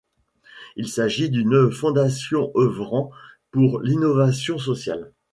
Il s'agit d'une fondation œuvrant pour l'innovation sociale.